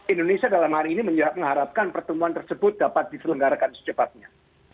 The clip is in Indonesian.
indonesia dalam hari ini mengharapkan pertemuan tersebut dapat diselenggarakan secepatnya